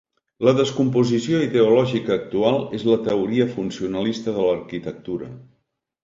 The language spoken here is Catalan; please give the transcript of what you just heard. La descomposició ideològica actual és la teoria funcionalista de l'arquitectura.